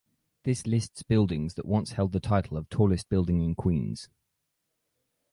This lists buildings that once held the title of tallest building in Queens.